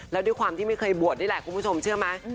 แล้วด้วยความที่ไม่เคยบวชนี่แหละคุณผู้ชมเชื่อไหม